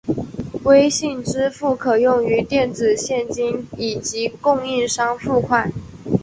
微信支付可用于电子现金以及供应商付款。